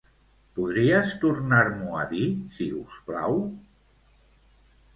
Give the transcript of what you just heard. Podries tornar-m'ho a dir, si us plau?